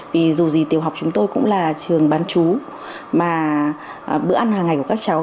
vì dù gì tiểu học chúng tôi cũng là trường bán chú mà bữa ăn hàng ngày của các cháu